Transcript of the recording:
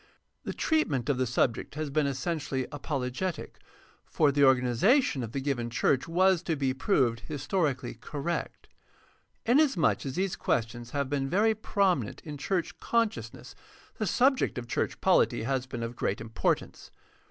The treatment of the subject has been essentially apologetic, for the organi zation of the given church was to be proved historically correct. Inasmuch as these questions have been very prominent in church consciousness the subject of church poHty has been of great importance.